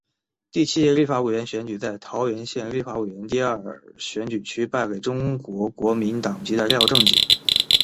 第七届立法委员选举在桃园县立法委员第二选举区败给中国国民党籍的廖正井。